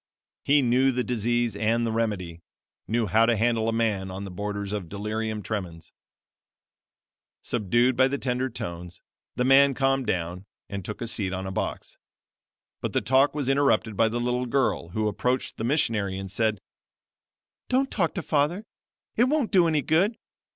He knew the disease and the remedy knew how to handle a man on the borders of delirium tremens. "Subdued by the tender tones, the mad man calmed down, and took a seat on a box. But the talk was interrupted by the little girl, who approached the missionary, and said: 'Don't talk to father; it won't do any good.